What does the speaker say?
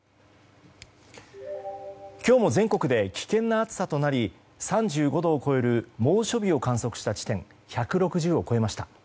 今日も全国で危険な暑さとなり３５度を超える猛暑日を観測した地点１６０を超えました。